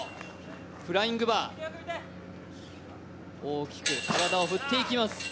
フライングバー、大きく体を振っていきます。